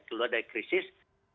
keluar dari krisis